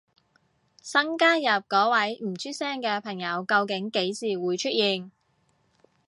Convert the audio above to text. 新加入嗰位唔出聲嘅朋友究竟幾時會出現？